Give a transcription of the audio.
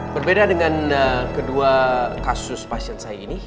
berbeda dengan kedua kasus pasien saya ini